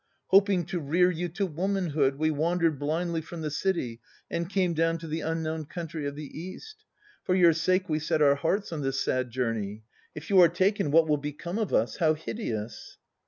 Hoping to rear you to womanhood, we wandered blindly from the City and came down to the unknown country of the East. For your sake we set our hearts on this sad journey. If you are taken, what will become of us? How hideous!